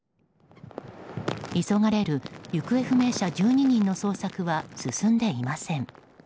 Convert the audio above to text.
急がれる行方不明者１２人の捜索は進んでいません。